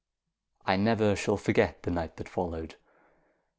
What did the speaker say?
I never shall forget the night that followed.